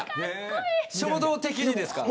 衝動的にですか。